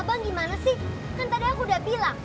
bang gimana sih kan tadi aku udah bilang